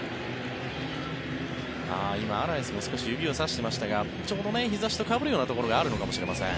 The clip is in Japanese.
今、アラエスも少し指をさしていましたがちょうど日差しとかぶるようなところがあるのかもしれません。